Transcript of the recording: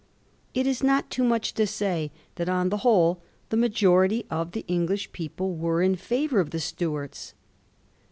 It is not too much to say that on the whole the majority of the English people were in favour of the Stuarts.